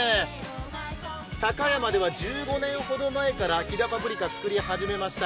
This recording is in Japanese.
高山では１５年ほど前から飛騨パプリカを作り始めました。